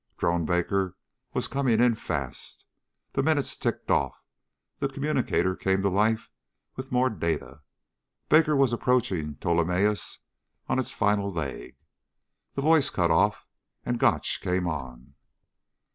Drone Baker was coming in fast. The minutes ticked off. The communicator came to life with more data. Baker was approaching Ptolemaeus on its final leg. The voice cut off and Gotch came on.